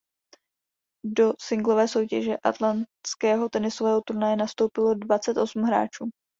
Do singlové soutěže atlantského tenisového turnaje nastoupilo dvacet osm hráčů.